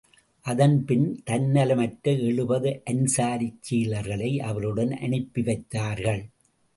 அதன்பின், தன்னலமற்ற எழுபது அன்சாரிச் சீலர்களை அவருடன் அனுப்பிவைத்தார்கள்.